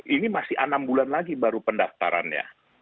ini masih enam bulan lagi baru pendaftarannya